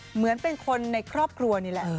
เหมือนเป็นคนในครอบครัวนี่แหละ